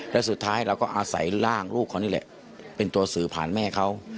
แล้วสุดท้ายเราก็อาศัยร่างลูกเขานี่แหละเป็นตัวสื่อผ่านแม่เขา